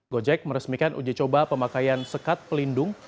gojek meresmikan uji coba pemakaian sekat pelindung